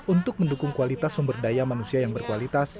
untuk mendukung kualitas sumber daya manusia yang berkualitas